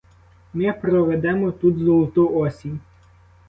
Ми проведемо тут золоту осінь.